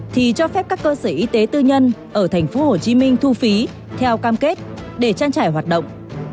thì cho phép các cơ sở y tế tư nhân ở tp hcm thu phí theo cam kết để trang trải hoạt động